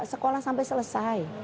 sekolah sampai selesai